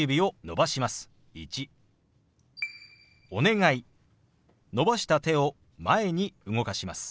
伸ばした手を前に動かします。